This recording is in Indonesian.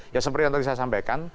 ya seperti yang tadi saya sampaikan